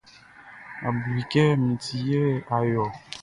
A bu i kɛ min ti yɛ a yo ɔ.